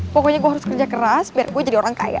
pokoknya gue harus kerja keras biar gue jadi orang kaya